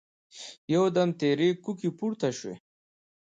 يودم تېرې کوکې پورته شوې.